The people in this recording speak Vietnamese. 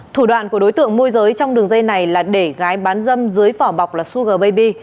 thủ đoạn của đối tượng môi giới trong đường dây này là để gái bán dâm dưới vỏ bọc là suger baby